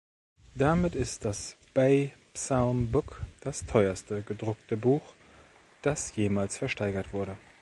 Damit ist das "Bay Psalm Book" das teuerste gedruckte Buch, das jemals versteigert wurde.